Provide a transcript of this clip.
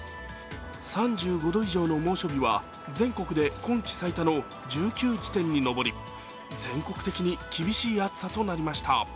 ３５度以上の猛暑日は全国で今季最多の１９地点に上り全国的に厳しい暑さとなりました。